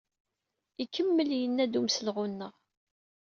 Ikemmel yenna-d umselɣu-nneɣ.